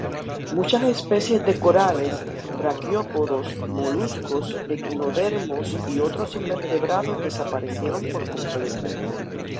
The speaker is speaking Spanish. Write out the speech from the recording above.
Muchas especies de corales, braquiópodos, moluscos, equinodermos y otros invertebrados desaparecieron por completo.